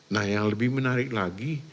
nah yang lebih menarik lagi